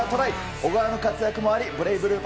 小川の活躍もありブレイブルーパプ